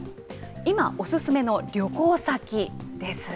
今、お勧めの旅行先です。